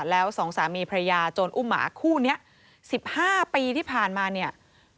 แล้วสองสามีพระยาโจรอุ้มหมาคู่นี้๑๕ปีที่ผ่านมาเนี่ย